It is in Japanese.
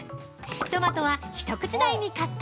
トマトは一口大にカット。